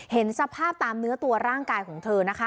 เห็นสภาพตามเนื้อตัวร่างกายของเธอนะคะ